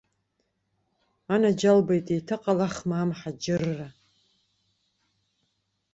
Анаџьалбеит, еиҭаҟалахма амҳаџьырра?